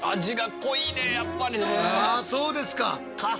あそうですか。